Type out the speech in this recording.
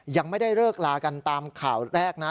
ยังไม่ได้เลิกลากันตามข่าวแรกนะ